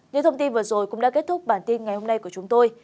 những thông tin vừa rồi cũng đã kết thúc bản tin ngày hôm nay của chúng tôi